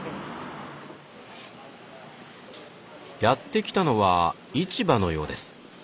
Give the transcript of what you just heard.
やって来たのは市場のようです。